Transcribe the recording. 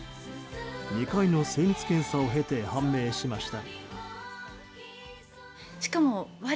２回の精密検査を経て判明しました。